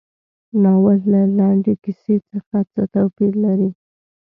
ناول له لنډې کیسې څخه څه توپیر لري.